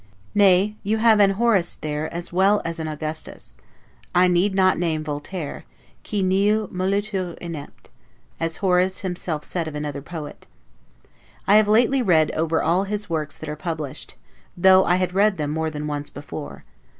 Nay, you have an Horace there as well as an Augustus; I need not name Voltaire, 'qui nil molitur inept?' as Horace himself said of another poet. I have lately read over all his works that are published, though I had read them more than once before.